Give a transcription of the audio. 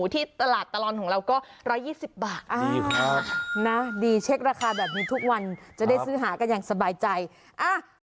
ถ้าสั่งก็จ่ายเพิ่ม